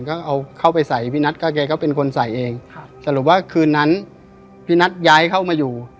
ก็เอาเข้าไปใส่พี่นัทก็แกก็เป็นคนใส่เองครับสรุปว่าคืนนั้นพี่นัทย้ายเข้ามาอยู่